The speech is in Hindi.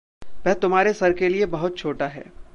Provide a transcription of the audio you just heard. वह तुम्हारे सर के लिए बहुत छोटा है।